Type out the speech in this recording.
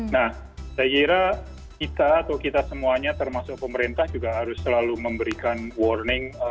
nah saya kira kita atau kita semuanya termasuk pemerintah juga harus selalu memberikan warning